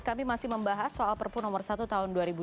kami masih membahas soal perpu nomor satu tahun dua ribu dua puluh